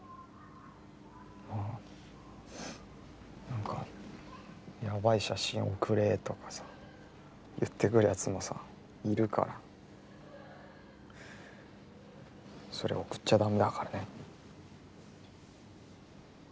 なんかやばい写真送れとかさ言ってくるやつもさいるからそれ送っちゃだめだからね？